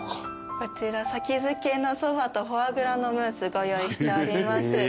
こちら先付けのソバとフォアグラのムースご用意しております。